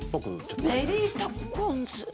「メリータコンズ」？